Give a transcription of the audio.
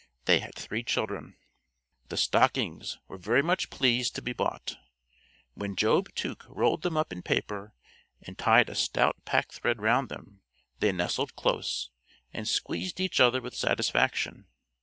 They had three children. The stockings were very much pleased to be bought. When Job Tuke rolled them up in paper and tied a stout packthread round them, they nestled close, and squeezed each other with satisfaction.